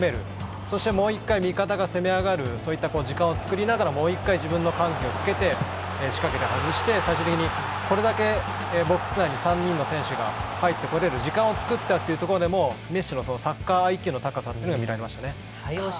そして、もう一回味方が攻め上がるそういった時間を作りながらもう一回、自分の緩急をつけて仕掛けて外して最終的にこれだけボックス内に３人の選手が入ってこれる時間を作ったというところでもメッシのサッカーＩＱの高さというのが見られましたね。